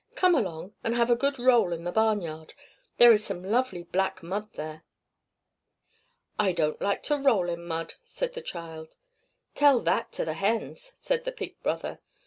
Come along, and have a good roll in the barnyard! There is some lovely black mud there." "I don't like to roll in mud!" said the child. "Tell that to the hens!" said the pig brother.